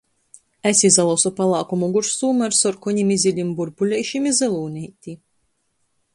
Es izalosu palāku mugursūmu ar sorkonim i zylim burbuleišim i zylūneiti.